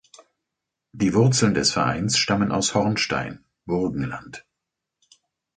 Die Wurzeln des Vereins stammen aus Hornstein (Burgenland).